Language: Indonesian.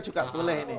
juga boleh ini